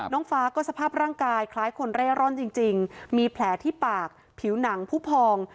น้องฟ้าก็สภาพร่างกายคล้ายคนเร่ร่อนจริงมีแผลที่ปากผิวหนังผู้พอง